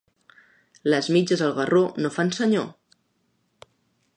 Les mitges al garró no fan senyor.